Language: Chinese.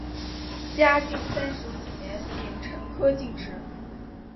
嘉靖三十五年丙辰科进士。